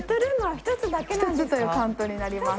１つというカウントになります。